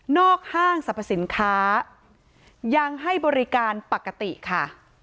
ห้างสรรพสินค้ายังให้บริการปกติค่ะ